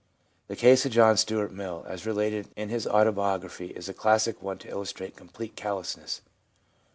The case of John Stuart Mill, as related in his autobiography, is a classic one to illustrate complete callousness.